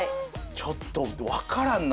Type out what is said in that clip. ちょっと分からんな。